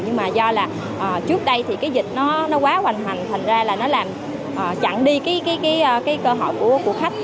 nhưng mà do là trước đây thì cái dịch nó quá hoành hành thành ra là nó làm chặn đi cái cơ hội của khách